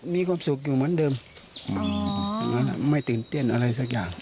มีความสุขอยู่เหมือนเดิมอย่างนั้นไม่ตื่นเต้นอะไรสักอย่าง